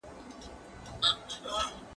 هغه څوک چي لیکل کوي پوهه زياتوي!؟